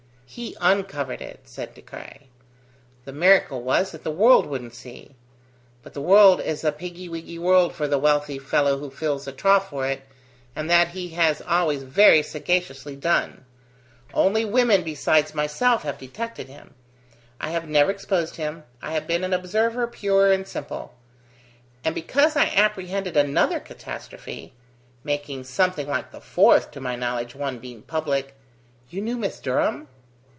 "He uncovered it," said De Craye. "The miracle was, that the world wouldn't see. But the world is a piggy wiggy world for the wealthy fellow who fills a trough for it, and that he has always very sagaciously done. Only women besides myself have detected him. I have never exposed him; I have been an observer pure and simple; and because I apprehended another catastrophe making something like the fourth, to my knowledge, one being public ..." "You knew Miss Durham?"